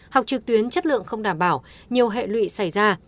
học trực tuyến chất lượng không đảm bảo nhiều hệ lụy xảy ra